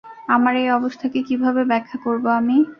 আমার এই অবস্থাকে কীভাবে ব্যাখ্যা করব আমি?